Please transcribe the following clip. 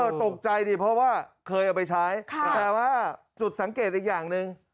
ตกใจดิเพราะว่าเคยเอาไปใช้แต่ว่าจุดสังเกตอีกอย่างหนึ่ง